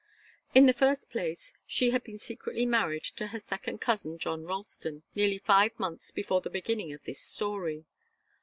In the first place, she had been secretly married to her second cousin John Ralston, nearly five months before the beginning of this story.